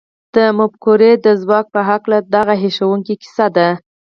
د مفکورې د ځواک په هکله دغه هیښوونکې کیسه ده